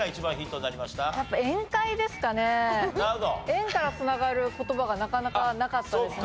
「宴」から繋がる言葉がなかなかなかったですね。